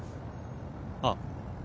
あっ。